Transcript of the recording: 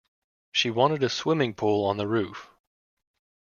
She wanted a swimming pool on the roof.